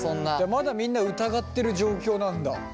まだみんな疑ってる状況なんだ。